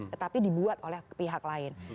tetapi dibuat oleh pihak lain